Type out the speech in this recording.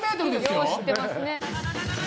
よう知ってますね。